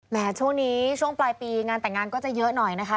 ช่วงนี้ช่วงปลายปีงานแต่งงานก็จะเยอะหน่อยนะคะ